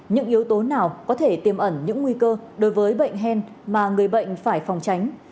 những yếu tố nào có thể tiêm ẩn những nguy cơ đối với bệnh hen mà người bệnh phải phòng tránh